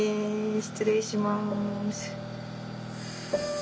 失礼します。